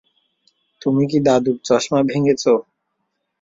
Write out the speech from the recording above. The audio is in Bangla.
তুমি কি দাদুর চশমা ভেঙ্গেছ?